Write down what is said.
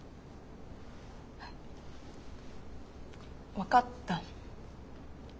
分かった。